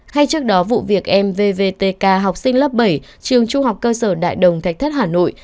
hay trước đó vụ việc mvvtk học sinh lớp bảy trường trung học cơ sở đại đồng thạch thất hà nội